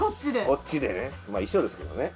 こっちでねまぁ一緒ですけどね。